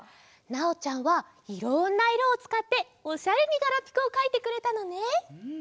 なおちゃんはいろんないろをつかっておしゃれにガラピコをかいてくれたのね。